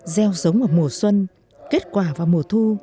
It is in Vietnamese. gieo giống ở mùa xuân kết quả vào mùa thu